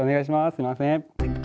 すいません。